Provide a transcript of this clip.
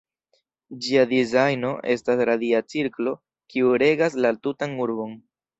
Ĝia dizajno estas radia cirklo kiu regas la tutan urbon.